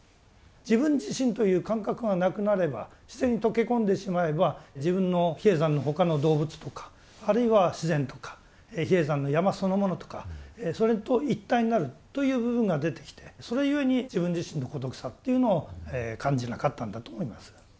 自分自身という感覚がなくなれば自然に溶け込んでしまえば自分の比叡山の他の動物とかあるいは自然とか比叡山の山そのものとかそれと一体になるという部分が出てきてそれゆえに自分自身の孤独さっていうのを感じなかったんだと思います。